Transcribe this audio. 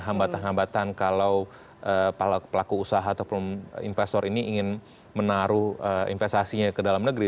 hambatan hambatan kalau pelaku usaha atau investor ini ingin menaruh investasinya ke dalam negeri